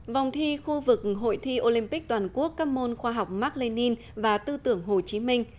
vòng thi khu vực hội thi olympic toàn quốc các môn khoa học mark lenin và tư tưởng hồ chí minh